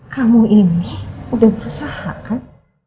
kamu ini udah berusaha kan